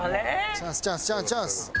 チャンスチャンスチャンス！